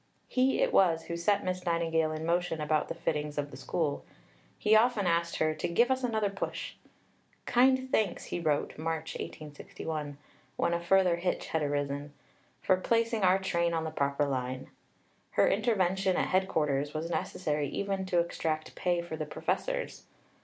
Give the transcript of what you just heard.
He it was who set Miss Nightingale in motion about the fittings of the School. He often asked her to "give us another push." "Kind thanks," he wrote (March 1861) when a further hitch had arisen, "for placing our train on the proper line." Her intervention at headquarters was necessary even to extract pay for the professors.